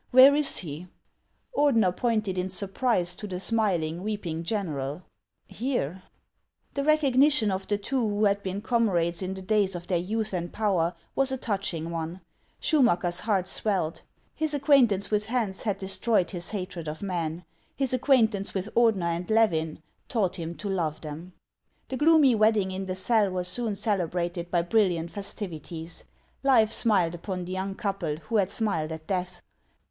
Where is he ?" Ordener pointed in surprise to the smiling, weeping general :" Here !" The recognition of the two who had been comrades in the days of their youth and power was a touching one. Schumacker's heart swelled. His acquaintance with Hans had destroyed his hatred of men ; his acquaintance with Ordener and Levin taught him to love them. The gloomv wedding in the cell was soon celebrated by O v O J brilliant festivities. Life smiled upon the young couple who had smiled at death.